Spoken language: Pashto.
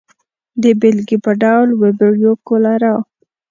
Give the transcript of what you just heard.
د بېلګې په ډول وبریو کولرا.